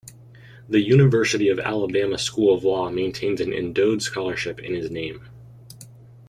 The University of Alabama School of Law maintains an endowed scholarship in his name.